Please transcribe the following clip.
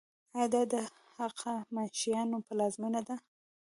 آیا دا د هخامنشیانو پلازمینه نه وه؟